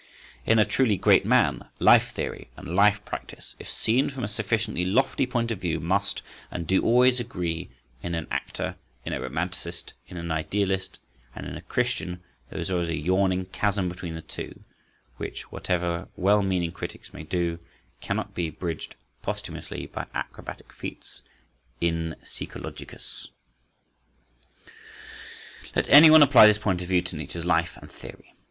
In a truly great man, life theory and life practice, if seen from a sufficiently lofty point of view, must and do always agree, in an actor, in a romanticist, in an idealist, and in a Christian, there is always a yawning chasm between the two, which, whatever well meaning critics may do, cannot be bridged posthumously by acrobatic feats in psychologicis. Let anyone apply this point of view to Nietzsche's life and theory.